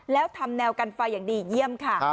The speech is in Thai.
แล้วทำแนวกันไฟอย่างดีเยี่ยมค่ะ